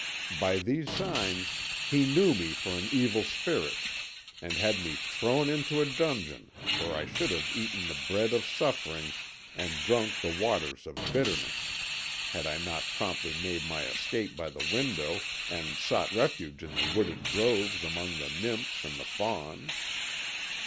By these signs he knew me for an evil spirit and had me thrown into a dungeon where I should have eaten the bread of suffering and drunk the waters of bitterness, had I not promptly made my escape by the window and sought refuge in the wooded groves among the Nymphs and the Fauns.